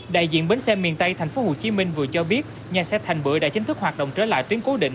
đại diện bến xe miền tây tp hcm vừa cho biết nhà xe thành bưởi đã chính thức hoạt động trở lại tuyến cố định